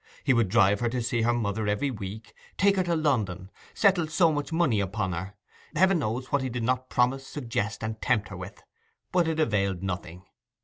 He would drive her to see her mother every week—take her to London—settle so much money upon her—Heaven knows what he did not promise, suggest, and tempt her with. But it availed nothing.